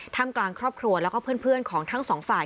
กลางครอบครัวแล้วก็เพื่อนของทั้งสองฝ่าย